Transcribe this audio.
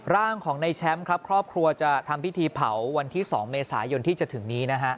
ร่างของในแชมป์ครับครอบครัวจะทำพิธีเผาวันที่๒เมษายนที่จะถึงนี้นะฮะ